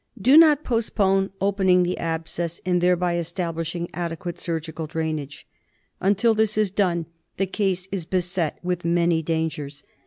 Do not postpone opening the abscess and thereby establishing adequate surgical drainage ; until this is done the case is beset with many dangers.